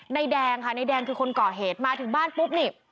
แดงค่ะนายแดงคือคนก่อเหตุมาถึงบ้านปุ๊บนี่